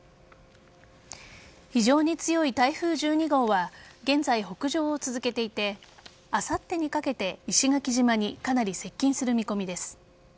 非常に強い台風１２号は現在、北上を続けていてあさってにかけて石垣島にかなり接近する見込みです。